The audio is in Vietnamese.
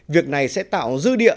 việc này sẽ tạo dư địa